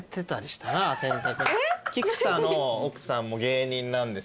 菊田の奥さんも芸人なんですよ。